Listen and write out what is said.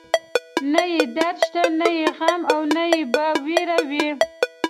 نه يې درد شته، نه يې غم او نه به وير وي